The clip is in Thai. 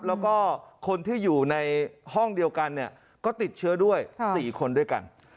แล้วก็คนที่อยู่ในห้องเดียวกันก็ติดเชื้อด้วย๔คนด้วยกัน